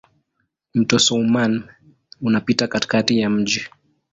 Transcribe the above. Mto Soummam unapita katikati ya mji.